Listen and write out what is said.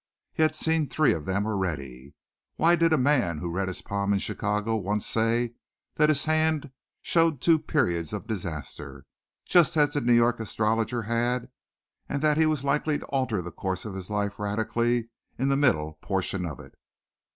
He had seen three of them already. Why did a man who read his palm in Chicago once say that his hand showed two periods of disaster, just as the New York astrologer had and that he was likely to alter the course of his life radically in the middle portion of it?